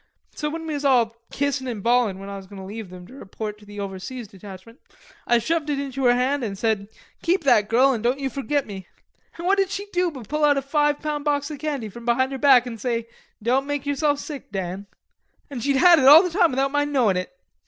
So when we was all kissin' and bawlin' when I was goin' to leave them to report to the overseas detachment, I shoved it into her hand, an' said, 'Keep that, girl, an' don't you forgit me.' An' what did she do but pull out a five pound box o' candy from behind her back an' say, 'Don't make yerself sick, Dan.' An' she'd had it all the time without my knowin' it.